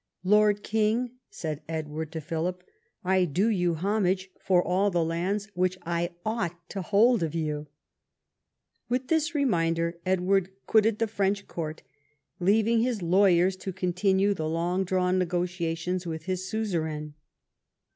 "Lord King," said Edward to Philip, "I do you homage for all the lands which I ought to hold of you." With this re minder Edward quitted the French court, leaving his lawj^ers to continue the long drawn negotiations with his suzerain.